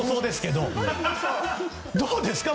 どうですか？